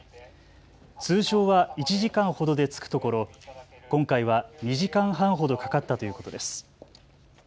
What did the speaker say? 通常は１時間ほどで着くところ今回は２時間半ほどかかったということです。